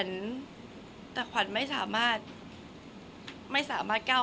คนเราถ้าใช้ชีวิตมาจนถึงอายุขนาดนี้แล้วค่ะ